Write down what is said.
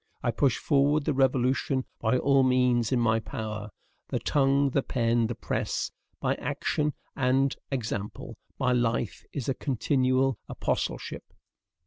I push forward the revolution by all means in my power, the tongue, the pen, the press, by action, and example. My life is a continual apostleship.